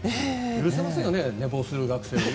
許せませんよね寝坊する学生は。